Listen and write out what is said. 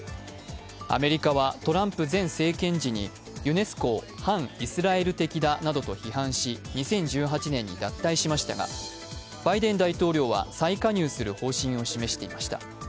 アメリカはトランプ前政権時にユネスコを反イスラエル的だなどと批判し２０１８年に脱退しましたがバイデン大統領は再加入する方針を示していました。